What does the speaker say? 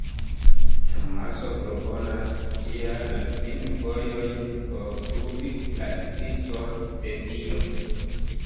Tomaso proponas, tial, la kvin “vojojn” por pruvi la ekziston de Dio.